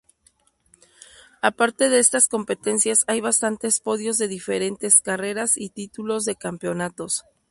Aparte de estas competencias hay bastantes podios de diferentes, carreras y títulos de campeonatos.